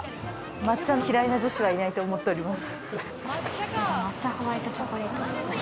抹茶嫌いな女子はいないと思っております。